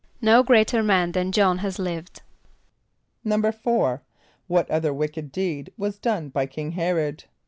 ="No greater man than J[)o]hn has lived."= =4.= What other wicked deed was done by King H[)e]r´od?